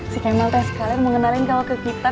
si kemal teh sekarang mengenalin kalau ke kita